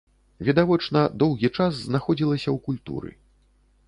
Відавочна, доўгі час знаходзілася ў культуры.